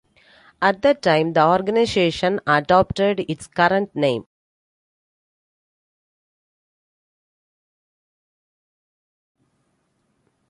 At that time, the organization adopted its current name.